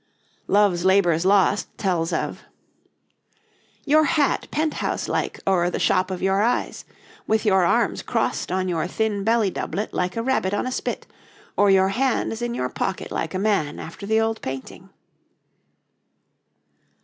'Love's Labour's Lost' tells of: 'Your hat penthouse like o'er the shop of your eyes; with your arms crossed on your thin belly doublet like a rabbit on a spit; or your hands in your pocket like a man after the old painting.'